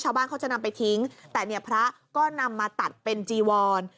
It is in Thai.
ชาวบ้านเขาจะนำไปทิ้งแต่เนี่ยพระก็นำมาตัดเป็นจีวร